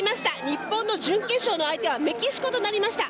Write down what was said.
日本の準決勝の相手はメキシコとなりました。